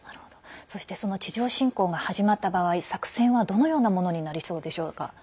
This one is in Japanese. そして地上侵攻が始まった場合作戦は、どのようなものになりそうでしょうか？